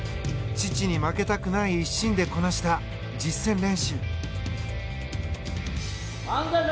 父に負けたくない一心でこなした実践練習。